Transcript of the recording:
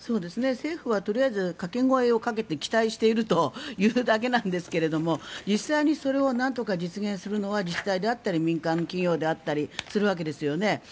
政府はとりあえず掛け声をかけて期待しているだけなんですが実際にそれをなんとか実現するのは自治体であったり民間の企業であったりするわけですよね。